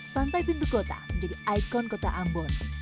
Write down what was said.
pantai pintu kota menjadi ikon kota ambon